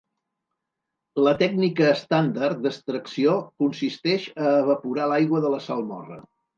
La tècnica estàndard d'extracció consisteix a evaporar l'aigua de la salmorra.